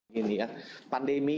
gini ya pandemi